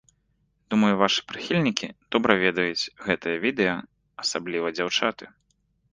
Думаю вашы прыхільнікі добра ведаюць гэтае відэа, асабліва дзяўчаты.